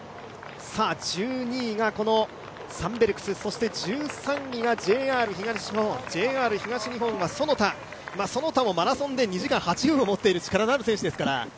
１２位がサンベルクスそして１３位がＪＲ東日本、こちらは其田其田もマラソンで２時間８分を持っている力のある選手ですから。